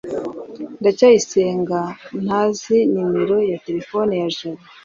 ndacyayisenga ntazi numero ya terefone ya jabo